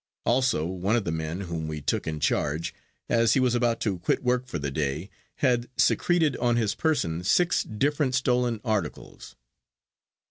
Also one of the men whom we took in charge, as he was about to quit work for the day, had secreted on his person six different stolen articles.